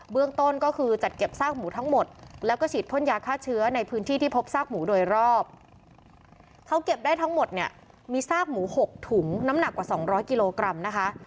ต้นก็คือจัดเก็บซากหมูทั้งหมดแล้วก็ฉีดพ่นยาฆ่าเชื้อในพื้นที่ที่พบซากหมูโดยรอบเขาเก็บได้ทั้งหมดเนี่ยมีซากหมูหกถุงน้ำหนักกว่าสองร้อยกิโลกรัมนะคะ